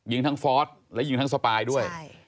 ยิงทั้งฟอสและยิงทั้งสปายด้วย